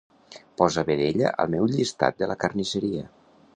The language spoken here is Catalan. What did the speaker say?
Posa vedella al meu llistat de la carnisseria.